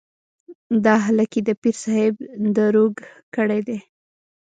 دا هلک يې د پير صاحب دروږ کړی دی.